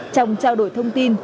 trong trao đổi thông tin